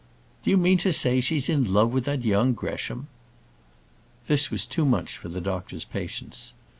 "Do you mean to say she's in love with that young Gresham?" This was too much for the doctor's patience.